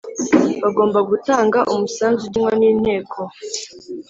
bagomba gutanga umusanzu ugenwa n inteko